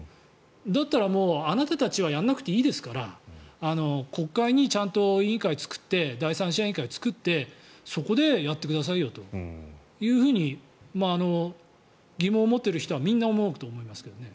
だったら、もうあなたたちはやらなくていいですから国会にちゃんと委員会を作って第三者委員会を作って、そこでやってくださいというふうに疑問を持っている人はみんな思うと思いますけどね。